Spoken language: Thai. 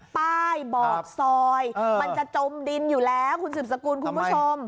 ป้ายบอกซอยมันจะจมดินอยู่แล้วคุณสืบสกุลคุณผู้ชม